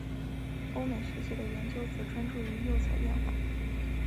欧美学界的研究则专注于釉彩变化。